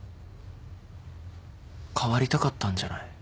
変わりたかったんじゃない？